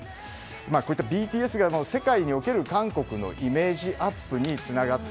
こういったＢＴＳが世界における韓国のイメージアップにつながって。